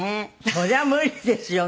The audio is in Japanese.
そりゃ無理ですよね。